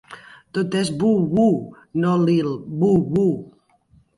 Tot és "Bow Wow", no "Lil' Bow Wow".